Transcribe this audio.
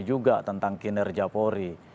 juga tentang kinerja pori